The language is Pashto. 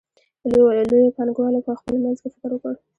لویو پانګوالو په خپل منځ کې فکر وکړ